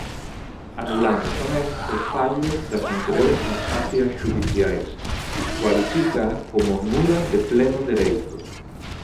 Anulando tamén os fallos das anteriores instancias xudiciais, cualifícaa como "nula de pleno dereito".